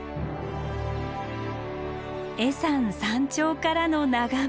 恵山山頂からの眺め。